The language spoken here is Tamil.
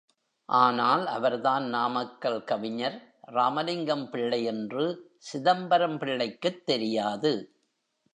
ஆனால், அவர்தான் நாமக்கல் கவிஞர் ராமலிங்கம் பிள்ளை என்று சிதம்பரம் பிள்ளைக்குத் தெரியாது.